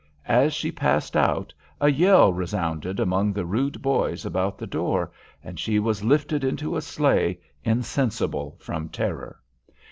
As she passed out, a yell resounded among the rude boys about the door, and she was lifted into a sleigh, insensible from terror.